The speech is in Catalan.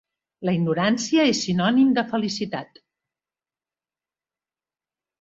La ignorància és sinònim de felicitat.